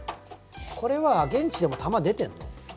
これは現地でも球出てんの？